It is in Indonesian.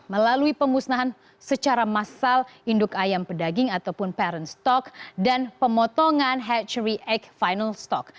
melalui pemusnahan secara massal induk ayam pedaging ataupun parent stok dan pemotongan hatchery egg final stok